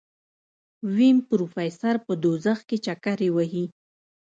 ويم پروفيسر په دوزخ کې چکرې وهي.